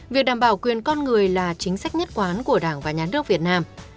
việc đảm bảo quyền con người là chính sách nhất quán của đảng và nhà nước việt nam